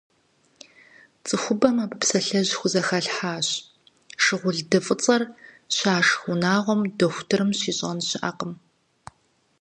ЦӀыхухэм абы псалъэжь хузэхалъхьащ: «Шыгъулды фӀыцӀэр щашх унагъуэм дохутырым щищӀэн щыӀэкъым».